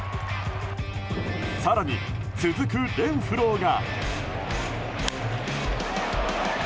更に、続くレンフローが。